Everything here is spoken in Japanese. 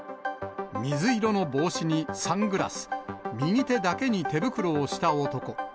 水色の帽子にサングラス、右手だけに手袋をした男。